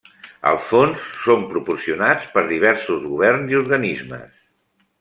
Els fons són proporcionats per diversos governs i organismes.